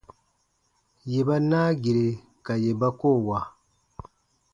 Yè ba naa gire ka yè ba koo wa.